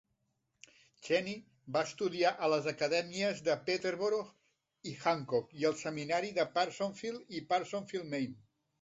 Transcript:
Cheney va estudiar a les acadèmies de Peterborough i Hancock i al seminari de Parsonsfield a Parsonsfield, Maine.